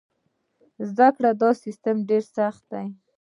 د زده کړې دا سیستم ډېر سخت و.